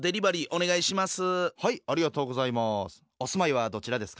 お住まいはどちらですか？